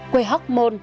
quê hóc môn